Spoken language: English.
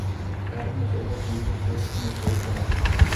Adam is able to use his position to save Jennifer.